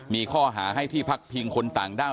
มีข้อหาให้ที่พักพิงคนต่างด้าว